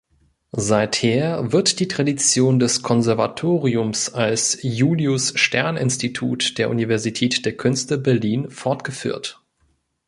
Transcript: Seither wird die Tradition des Konservatoriums als "Julius-Stern-Institut" der Universität der Künste Berlin fortgeführt.